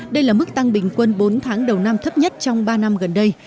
đây là mức tăng bình quân bốn tháng đầu năm thấp nhất trong ba năm gần đây